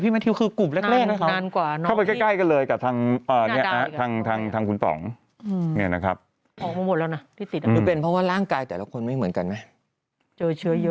พี่ป๋องที่เป็นพฤติกร